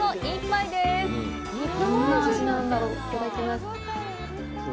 いただきます。